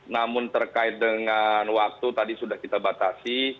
namun terkait dengan waktu tadi sudah kita batasi